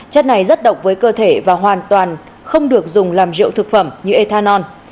chất này rất độc với cơ thể và hoàn toàn không được dùng làm rượu thực phẩm như ethanol